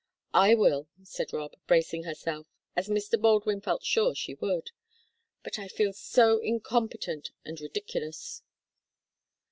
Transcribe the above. "I will," said Rob, bracing herself, as Mr. Baldwin felt sure she would. "But I feel so incompetent and ridiculous."